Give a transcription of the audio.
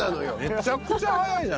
めちゃくちゃ早いじゃないの。